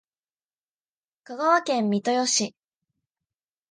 香川県三豊市